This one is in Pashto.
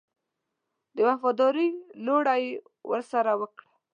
د وفاداري لوړه یې ورسره وکړه.